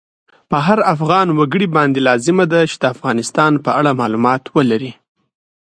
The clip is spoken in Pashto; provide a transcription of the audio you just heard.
په هر افغان وګړی باندی لازمه ده چی د افغانستان په اړه مالومات ولری